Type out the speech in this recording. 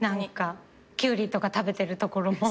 キュウリとか食べてるところも。